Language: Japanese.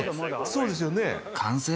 そうですよね